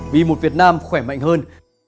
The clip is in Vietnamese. vì một việt nam khỏe mạnh hơn